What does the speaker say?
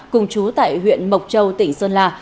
cùng chú tại huyện mộc châu tỉnh sơn la